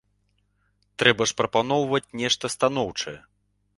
Трэба ж прапаноўваць нешта станоўчае.